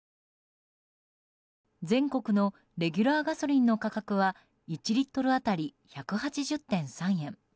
全国のレギュラーガソリンの価格は１リットル当たり１８０．３円。